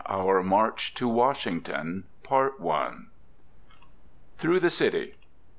OUR MARCH TO WASHINGTON. THROUGH THE CITY.